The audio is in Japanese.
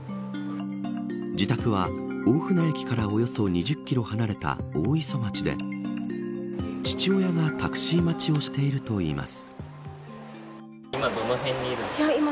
自宅は大船駅からおよそ２０キロ離れた大磯町で父親がタクシー待ちをしているといいます。